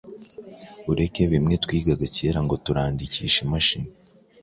ureke bimwe twigaga kera ngo turandikisha imashini.